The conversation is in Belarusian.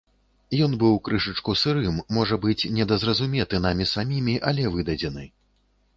Ён быў крышачку сырым, можа быць, недазразуметы намі самімі, але выдадзены.